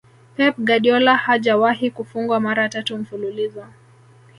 Pep guardiola hajawahi kufungwa mara tatu mfululizo